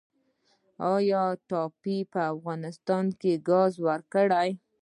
آیا ټاپي به افغانستان ته ګاز ورکړي؟